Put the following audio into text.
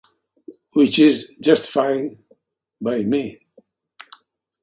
Which is just fine by me.